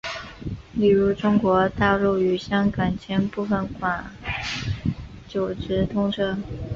例如中国大陆与香港间部分广九直通车。